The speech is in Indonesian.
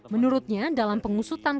menurutnya dalam pengusutan kasusnya